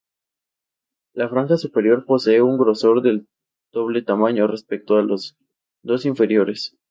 La franja superior posee un grosor de doble tamaño respecto a las dos inferiores.